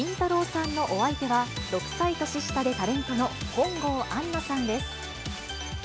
さんのお相手は、６歳年下でタレントの本郷杏奈さんです。